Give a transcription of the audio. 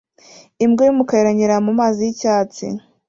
Imbwa y'umukara iranyerera mu mazi y'icyatsi